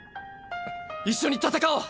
一緒に戦おう！